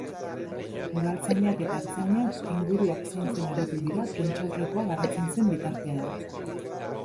Udaltzainak eta ertzainak inguruak zaintzen aritu dira prentsaurrekoa garatzen zen bitartean.